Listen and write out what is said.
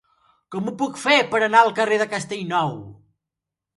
Com ho puc fer per anar al carrer de Castellnou?